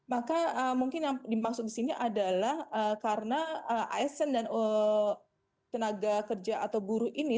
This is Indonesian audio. maka mungkin yang dimaksud di sini adalah karena asn dan tenaga kerja atau buruh ini